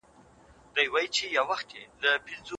د نرمغالي دپاره تاسي باید خپلي هڅې جاري وساتئ.